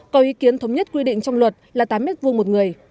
có ý kiến thống nhất quy định trong luật là tám m hai một người